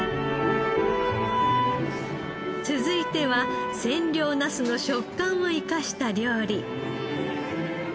続いては千両ナスの食感を生かした料理。